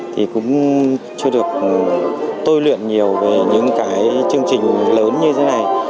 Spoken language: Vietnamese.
thì cũng chưa được tôi luyện nhiều về những cái chương trình lớn như thế này